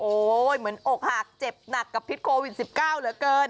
เหมือนอกหักเจ็บหนักกับพิษโควิด๑๙เหลือเกิน